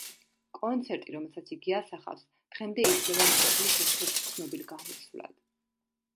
კონცერტი, რომელსაც იგი ასახავს, დღემდე ითვლება მარლის ერთ-ერთ ცნობილ გამოსვლად.